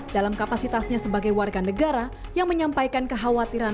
dalam kapasitasnya sebagai warga negara yang menyampaikan kekhawatiran